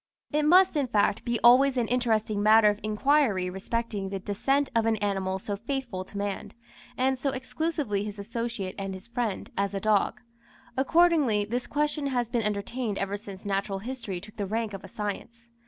It must, in fact, be always an interesting matter of inquiry respecting the descent of an animal so faithful to man, and so exclusively his associate and his friend, as the dog. Accordingly, this question has been entertained ever since Natural History took the rank of a science.